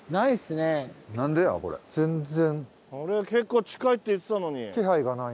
結構近いって言ってたのに。